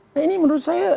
nah ini menurut saya